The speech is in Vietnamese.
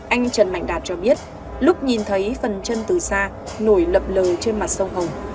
anh trần mạnh đạt cho biết lúc nhìn thấy phần chân từ xa nổi lập lờ trên mặt sông hồng